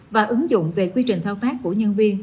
và ứng dụng về quy trình thao tác của nhân viên